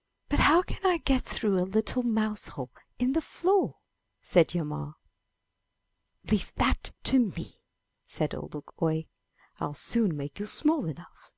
'* *'But how can I get through a little mouse hole in the floor!" said Hjalmar. ''Leave that to me/' said Ole Luk oie. 'Til soon make you small enough!"